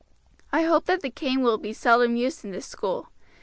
I hope that the cane will seldom be used in this school.